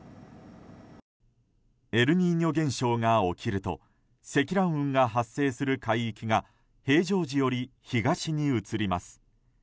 エルニーニョ現象が起きると積乱雲が発生する海域が平常時より東に移ります。